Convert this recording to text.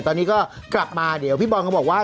ตอนนี้ก็กลับมาเดี๋ยวพี่บอลเขาบอกว่า